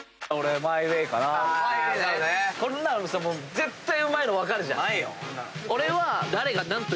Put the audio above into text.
こんなのさ絶対うまいの分かるじゃん。俺は。